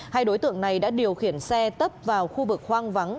hai đối tượng này đã điều khiển xe tấp vào khu vực hoang vắng